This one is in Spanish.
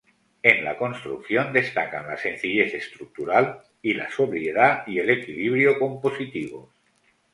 En la construcción destacan la sencillez estructural y la sobriedad y el equilibrio compositivos.